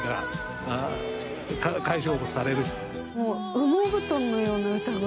羽毛布団のような？